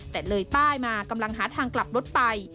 แต่เลยป้ายมากำลังหาทางกลับรถไป